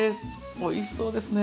おいしそうですね。